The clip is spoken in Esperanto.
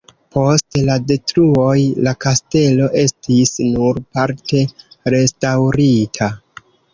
Post la detruoj la kastelo estis nur parte restaŭrita.